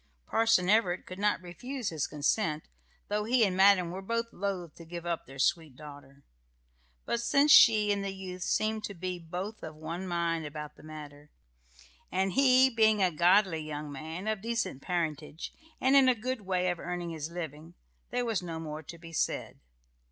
Parson Everett could not refuse his consent, though he and madam were both loth to give up their sweet daughter. But since she and the youth seemed to be both of one mind about the matter, and he being a godly young man, of decent parentage, and in a good way of earning his living, there was no more to be said.